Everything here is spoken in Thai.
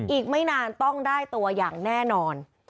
อีกไม่นานต้องได้ตัวอย่างแน่นอน